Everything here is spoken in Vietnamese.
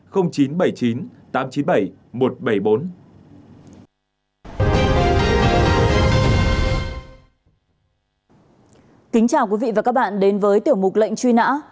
kính chào quý vị và các bạn đến với tiểu mục lệnh truy nã